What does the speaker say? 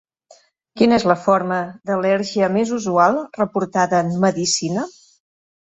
Quina és la forma d'al·lèrgia més usual reportada en medicina?